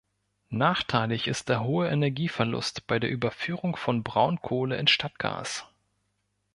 Nachteilig ist der hohe Energieverlust bei der Überführung von Braunkohle in Stadtgas.